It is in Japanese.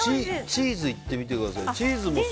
チーズいってみてください。